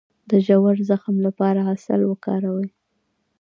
د ژور زخم لپاره عسل وکاروئ